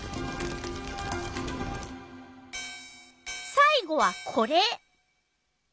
さい後はこれ。